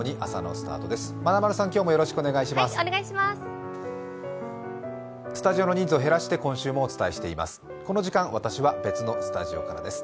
スタジオの人数を減らして今週もお伝えしています。